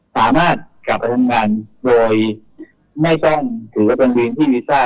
สามารถกลับไปทำงานโดยไม่ต้องถือว่าเป็นเพลงที่วีซ่า